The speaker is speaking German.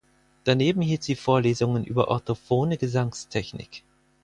Daneben hielt sie Vorlesungen über orthophone Gesangstechnik.